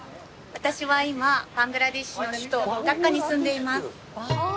私は今バングラデシュの首都ダッカに住んでいます。